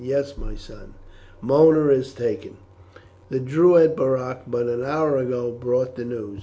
"Yes, my son, Mona is taken. The Druid Boroc but an hour ago brought the news.